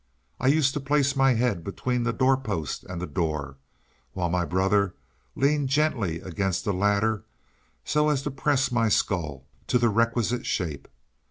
I used to place my head between the doorpost and the door, while my brother leaned gently against the latter, so as to press my skull to the requisite shape.